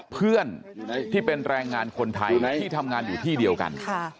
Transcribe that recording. เพื่อนที่เป็นแรงงานคนไทยที่ทำงานอยู่ที่เดียวกัน